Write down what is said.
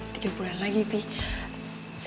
tujuh bulan lagi pip